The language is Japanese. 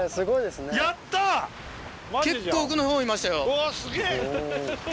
うわすげぇ！